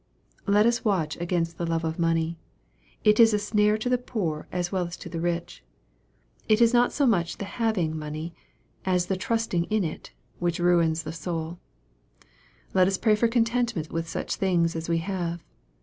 Let us watch against the love of money. It is a snare to the poor as well as to the rich. It is not so much the MARK, CHAP. X. 211 having money, as the trusting in it, which ruins the souL Let us pray for contentment with such things as we have.